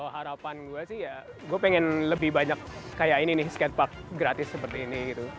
harapan gue sih ya gue pengen lebih banyak kayak ini nih skatepark gratis seperti ini gitu